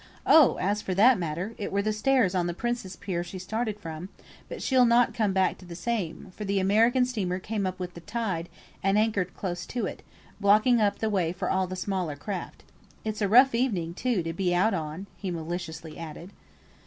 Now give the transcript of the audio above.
"Oh, as for that matter, it were the stairs on the Prince's Pier she started from; but she'll not come back to the same, for the American steamer came up with the tide, and anchored close to it, blocking up the way for all the smaller craft. It's a rough evening too, to be out on," he maliciously added.